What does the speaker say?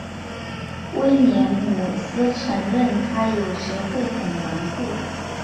威廉姆斯承认他有时会很顽固。